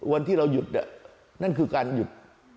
วันที่เราหยุดนั่นคือการหยุด